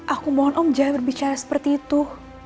aku mohon om jangan berbicara seperti itu